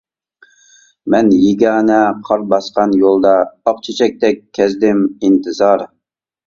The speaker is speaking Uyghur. مەن يېگانە قار باسقان يولدا، ئاق چېچەكتەك كەزدىم ئىنتىزار.